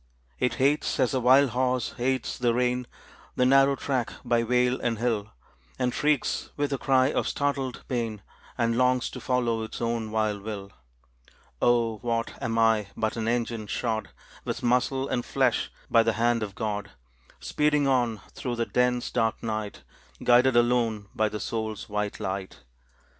It hates, as a wild horse hates the rein, The narrow track by vale and hill; And shrieks with a cry of startled pain, And longs to follow its own wild will. Oh, what am I but an engine, shod With muscle and flesh, by the hand of God, Speeding on through the dense, dark night, Guided alone by the soul's white light.